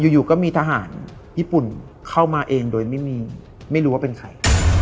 อยู่ก็มีทหารญี่ปุ่นเข้ามาเองโดยไม่รู้ว่าเป็นใคร